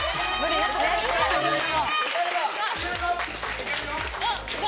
いけるぞ！